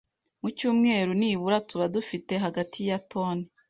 Mu cyumweru nibura tuba dufite hagati ya toni